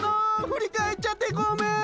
振り返っちゃってごめん！